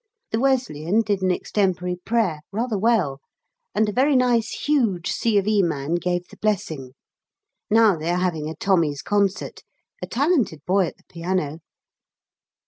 The Wesleyan did an extempore prayer, rather well, and a very nice huge C. of E. man gave the Blessing. Now they are having a Tommies' concert a talented boy at the piano.